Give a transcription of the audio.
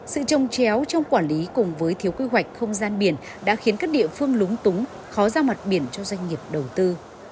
sự trông chéo trong quản lý cùng với thiếu quy hoạch không gian biển đã khiến các địa phương lúng túng khó ra mặt biển cho doanh nghiệp đầu tư